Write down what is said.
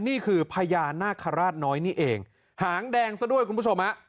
นี่คือพญานาคาราชน้อยนี่เองหางแดงซะด้วยคุณผู้ชมฮะ